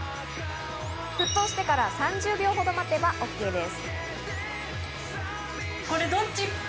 沸騰してから３０秒ほどたてばＯＫです。